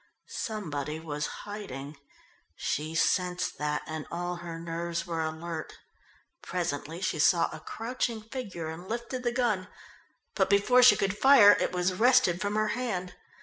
Somebody was hiding. She sensed that and all her nerves were alert. Presently she saw a crouching figure and lifted the gun, but before she could fire it was wrested from her hand.